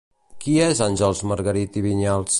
Qui és Àngels Margarit i Viñals?